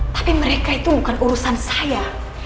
tapi mereka itu bukan urusan saya